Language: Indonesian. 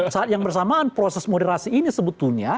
saat yang bersamaan proses moderasi ini sebetulnya